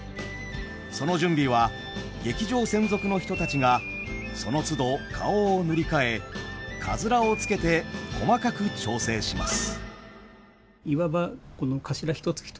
その準備は劇場専属の人たちがそのつど顔を塗り替えかづらをつけて細かく調整します。